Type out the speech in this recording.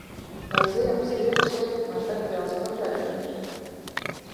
Vai ziemas riepas ietekmē degvielas patēriņu?